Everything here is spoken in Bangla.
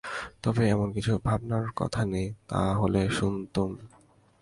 তবে এমন কিছু ভাবনার কথা নেই, তা হলে শুনতুম।